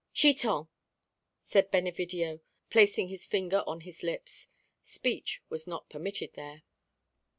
"Chiton!" said Benevidio, placing his finger on his lips. Speech was not permitted there.